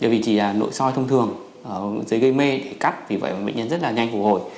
vì chỉ là nội soi thông thường dưới gây mê để cắt vì vậy bệnh nhân rất là nhanh phục hồi